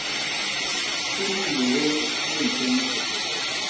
Unu nyôgôl u yé ñkeñi.